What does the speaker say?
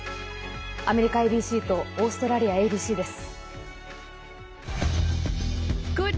アメリカＡＢＣとオーストラリアＡＢＣです。